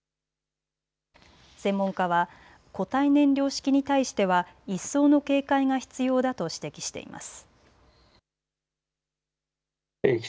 専門家は固体燃料式に対しては一層の警戒が必要だと指摘しています。